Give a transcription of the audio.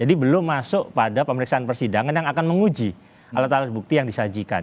belum masuk pada pemeriksaan persidangan yang akan menguji alat alat bukti yang disajikan